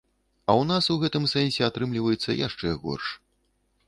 А ў нас у гэтым сэнсе атрымліваецца яшчэ горш.